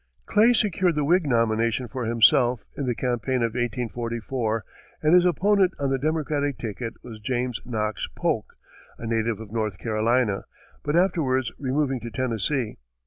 Clay secured the Whig nomination for himself, in the campaign of 1844, and his opponent on the Democratic ticket was James Knox Polk, a native of North Carolina, but afterwards removing to Tennessee.